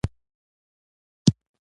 ټول وجود تیاره، تیاره وم